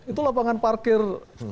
itu lapangan parkir